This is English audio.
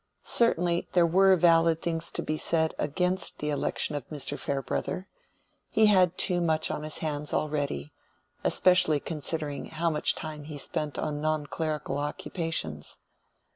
Certainly there were valid things to be said against the election of Mr. Farebrother: he had too much on his hands already, especially considering how much time he spent on non clerical occupations.